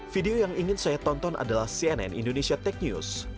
video yang ingin saya tonton adalah cnn indonesia tech news